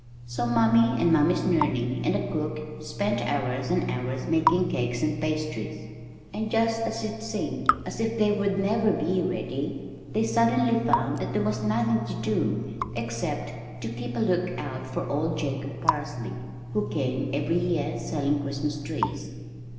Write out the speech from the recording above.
So Mummy and Mummy's nurney and the cook spent hours and hours making cakes and pastries; and just as it seemed as if they would never be ready, they suddenly found that there was nothing to do except to keep a lookout for old Jacob Parsley, who came every year selling Christmas trees.